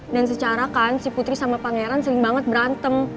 dan secara kan si putri sama pangeran sering banget berantem